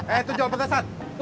eh itu jawab petasan